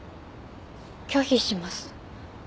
拒否します。